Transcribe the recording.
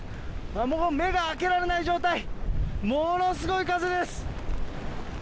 もう目が開けられない状態、ものすごい風です。